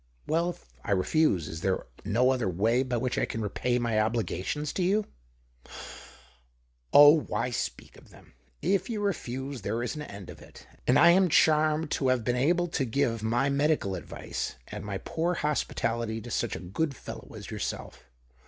" Well, if I refuse, is there no other way 112 THE OCTAVE OF CLAUDIUS. by which I can repay my obligations to you ?"" Oh, why speak of them ? If you refuse, there is an end of it, and I am charmed to have been able to give my medical advice, and my poor hospitality, to such a good fellow as yourself.